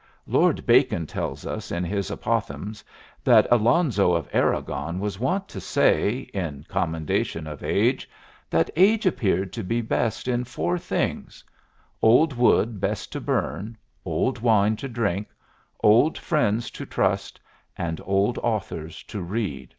Lord Bacon tells us in his "Apothegms" that Alonzo of Aragon was wont to say, in commendation of Age, that Age appeared to be best in four things: Old wood best to burn; old wine to drink; old friends to trust; and old authors to read.